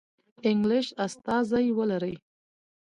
انګلیس استازی ولري.